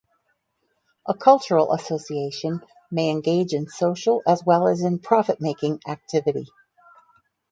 A cultural association may engage in social as well as in profit-making activity.